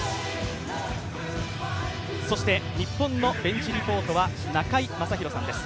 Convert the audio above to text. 日本のベンチリポートは中居正広さんです。